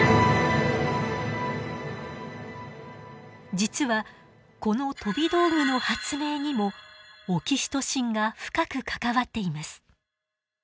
実はこの飛び道具の発明にもオキシトシンが深く関わっています。